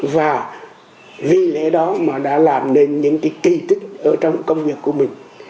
và vì lẽ đó mà đã làm nên những cái kỳ tích ở trong công việc của mình